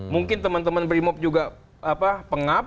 mungkin teman teman brimop juga pengap